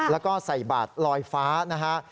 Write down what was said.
แล้วก็ใส่บาทลอยฟ้านะฮะ